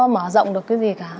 mở rộng được cái gì cả